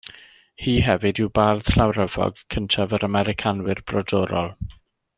Hi hefyd yw Bardd Llawryfog cyntaf yr Americanwyr Brodorol.